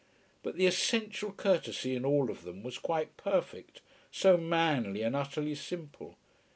But the essential courtesy in all of them was quite perfect, so manly and utterly simple.